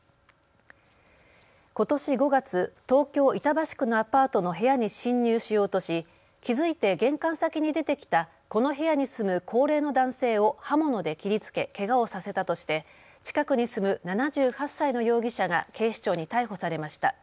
ことし５月、東京板橋区のアパートの部屋に侵入しようとし気付いて玄関先に出てきたこの部屋に住む高齢の男性を刃物で切りつけけがをさせたとして近くに住む７８歳の容疑者が警視庁に逮捕されました。